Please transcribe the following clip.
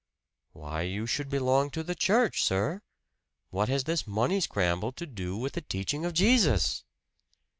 "Why you should belong to the church, sir? What has this money scramble to do with the teaching of Jesus?"